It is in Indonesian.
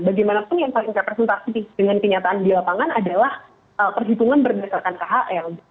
bagaimanapun yang paling representasi dengan kenyataan di lapangan adalah perhitungan berdasarkan khl